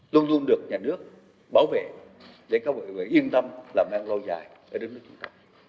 luôn luôn được nhà nước bảo vệ để các bộ yên tâm làm đang lâu dài ở đất nước